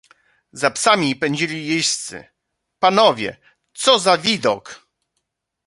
"Za psami pędzili jeźdźcy... panowie, co za widok!"